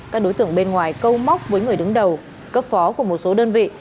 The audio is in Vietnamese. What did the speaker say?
các đối tượng bên ngoài câu móc với người đứng đầu cấp phó của một số đơn vị